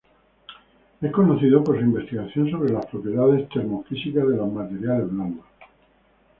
Es conocido por su investigación sobre las propiedades termo-físicas de los materiales blandos.